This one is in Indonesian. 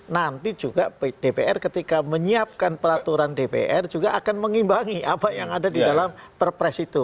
nanti juga dpr ketika menyiapkan peraturan dpr juga akan mengimbangi apa yang ada di dalam perpres itu